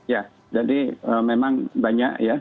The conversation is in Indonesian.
ya jadi memang banyak ya